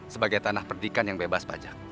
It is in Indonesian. sebagai tanah perdikan yang bebas pajak